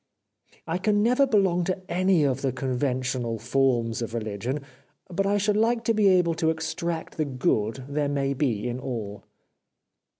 I can never belong to any of the conventional forms of religion, but I should like to be able to extract the good there may be in all.'